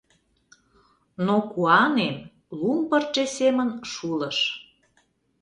Но куанем лум пырче семын шулыш.